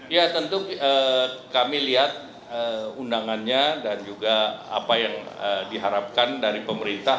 ya tentu kami lihat undangannya dan juga apa yang diharapkan dari pemerintah